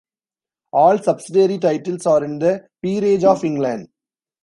All subsidiary titles are in the Peerage of England.